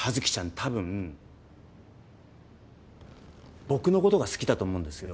たぶん僕のことが好きだと思うんですけど。